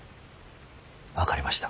分かりました。